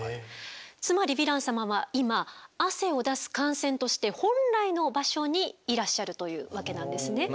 つまりヴィラン様は今汗を出す汗腺として本来の場所にいらっしゃるというわけなんですね。